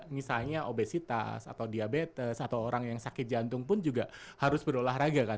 misalnya obesitas atau diabetes atau orang yang sakit jantung pun juga harus berolahraga kan